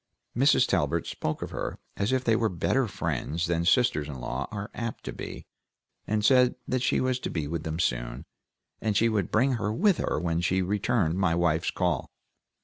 Mrs. Talbert spoke of her as if they were better friends than sisters in law are apt to be, and said that she was to be with them soon, and she would bring her with her when she returned my wife's call.